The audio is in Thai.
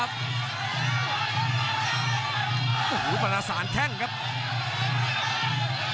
คมทุกลูกจริงครับโอ้โห